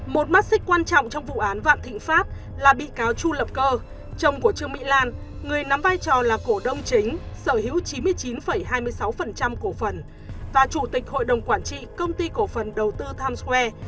một mắt xích quan trọng trong vụ án vạn thịnh pháp là bị cáo chu lập cơ chồng của trương mỹ lan người nắm vai trò là cổ đông chính sở hữu chín mươi chín hai mươi sáu cổ phần và chủ tịch hội đồng quản trị công ty cổ phần đầu tư times square